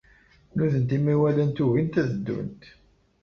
Nutenti mi walant ugint ad ddunt.